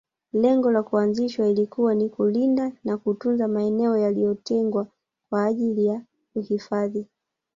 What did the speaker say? lengo la kuanzishwa ilikuwa ni kulinda na kutunza maeneo yaliotengwa kwa ajili ya uhifadhi